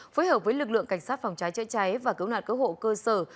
phối hợp với lực lượng cảnh sát phòng cháy chữa cháy và cứu nạn cứu hộ cơ sở